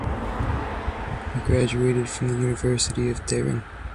He graduated from the University of Tehran.